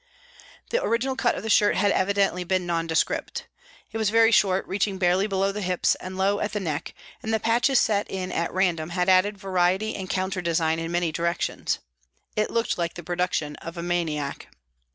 The original cut of the shirt had evidently been nondescript. It was very short, reaching barely below the hips and low at the neck, and the patches set in at random had added variety and counter design in many directions. It looked like the production of a maniac.